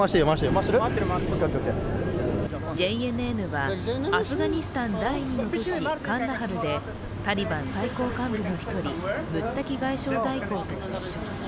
ＪＮＮはアフガニスタン第２の都市、カンダハルでタリバン最高幹部の一人ムッタキ外相代行と接触。